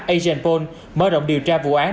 asianpol mở rộng điều tra vụ án